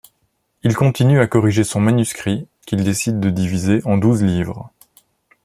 Il continue à corriger son manuscrit, qu'il décide de diviser en douze livres.